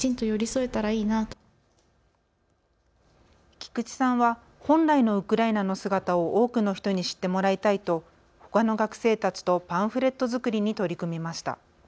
菊地さんは本来のウクライナの姿を多くの人に知ってもらいたいとほかの学生たちとパンフレット作りに取り組みました。